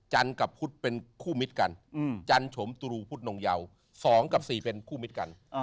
กับพุทธเป็นคู่มิตรกันจันโฉมตุรูพุทธนงเยา๒กับ๔เป็นคู่มิตรกัน